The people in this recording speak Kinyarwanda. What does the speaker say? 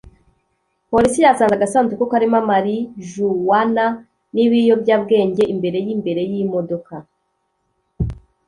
Polisi yasanze agasanduku karimo marijuwana nibiyobyabwenge imbere yimbere yimodoka